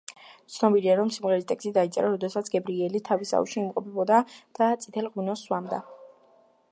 ცნობილია, რომ სიმღერის ტექსტი დაიწერა, როდესაც გებრიელი თავის აუზში იმყოფებოდა და წითელ ღვინოს სვამდა.